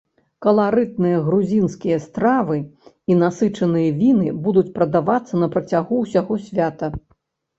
Каларытныя грузінскія стравы і насычаныя віны будуць прадавацца на працягу ўсяго свята.